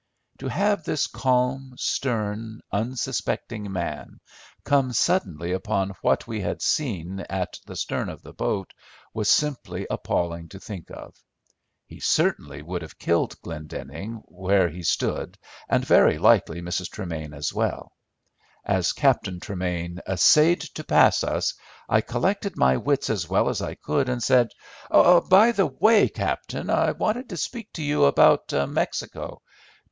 To have this calm, stern, unsuspecting man come suddenly upon what we had seen at the stern of the boat was simply appalling to think of. He certainly would have killed Glendenning where he stood, and very likely Mrs. Tremain as well. As Captain Tremain essayed to pass us I collected my wits as well as I could, and said— "Oh, by the way, captain, I wanted to speak to you about Mexico.